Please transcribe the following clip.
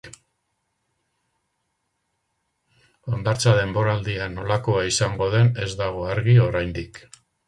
Hondartza denboraldia nolakoa izango den ez dago argi oraindik.